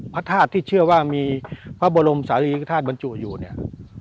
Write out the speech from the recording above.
พระธาตุที่เชื่อว่ามีพระบรมศาลีกธาตุบรรจุอยู่เนี่ย